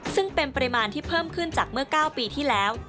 ซึ่งเป็นปริมาณที่เพิ่มขึ้นจากเมื่อ๙ปีที่แล้ว